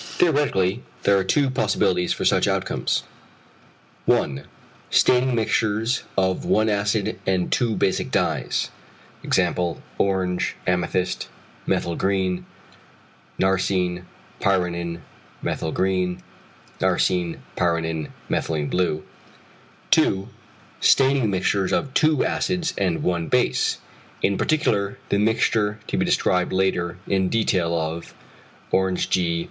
Theoretically there are two possibilities for such combinations: 1. Staining mixtures of 1 acid and 2 basic dyes, e.g. orange amethyst methyl green; narcëin pyronin methyl green; narcëin pyronin methylene blue. 2. Staining mixtures of 2 acids and 1 base, in particular the mixture to be described later in detail of orange g.